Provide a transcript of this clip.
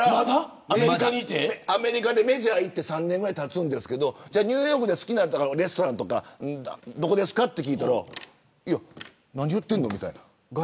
アメリカでメジャー行って３年ぐらいたちますけどニューヨークで好きなレストランとかどこですかと聞いたら何言ってるのみたいな。